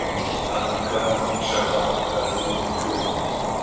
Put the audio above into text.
Xwendekarên din çawa alîkariya wî kirin?